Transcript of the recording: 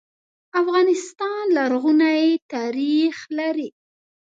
افغانستان لرغونی ناریخ لري.